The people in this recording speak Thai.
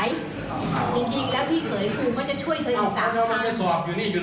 อยู่ที่บ้าน